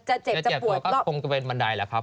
จะเจ็บก็คงเป็นบันไดเลยครับ